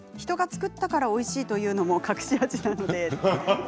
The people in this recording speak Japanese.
人が作ったからおいしいというのも隠し味なので。